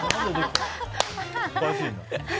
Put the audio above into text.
おかしいな。